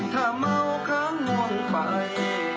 ถ้าเมาข้างลงไป